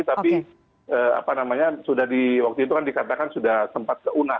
tapi apa namanya sudah di waktu itu kan dikatakan sudah sempat keunah